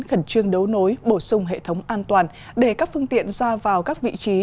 khẩn trương đấu nối bổ sung hệ thống an toàn để các phương tiện ra vào các vị trí